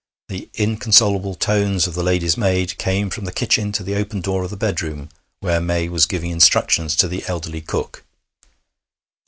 The inconsolable tones of the lady's maid came from the kitchen to the open door of the bedroom, where May was giving instructions to the elderly cook.